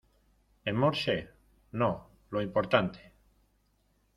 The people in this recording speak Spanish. en morse? no. lo importante